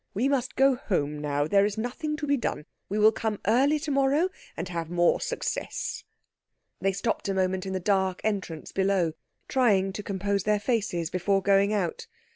We must go home now. There is nothing to be done. We will come early to morrow, and have more success." They stopped a moment in the dark entrance below, trying to compose their faces before going out.